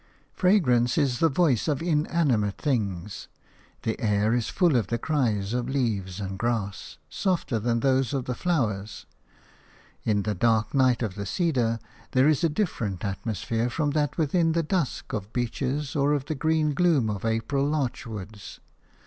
Fragrance is the voice of inanimate things. The air is full of the cries of leaves and grass, softer than those of the flowers. In the dark night of the cedar there is a different atmosphere from that within the dusk of beeches or the green gloom of April larch woods.